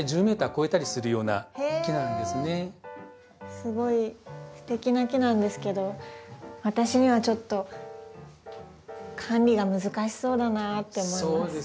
すごいステキな木なんですけど私にはちょっと管理が難しそうだなって思います。